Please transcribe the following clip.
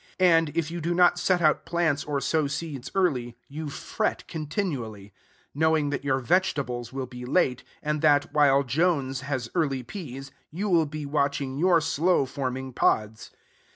And, if you do not set out plants or sow seeds early, you fret continually; knowing that your vegetables will be late, and that, while Jones has early peas, you will be watching your slow forming pods.